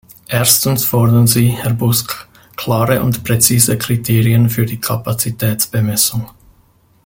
Erstens fordern Sie, Herr Busk, klare und präzise Kriterien für die Kapazitätsbemessung.